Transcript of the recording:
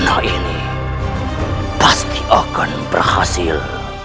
anak ini pasti akan berhasil